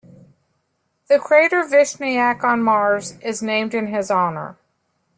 The crater Vishniac on Mars is named in his honor.